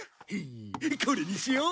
これにしよう。